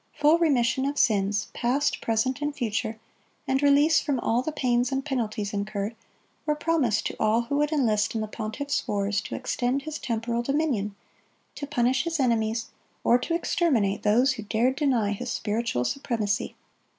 Full remission of sins, past, present, and future, and release from all the pains and penalties incurred, were promised to all who would enlist in the pontiff's wars to extend his temporal dominion, to punish his enemies, or to exterminate those who dared deny his spiritual supremacy.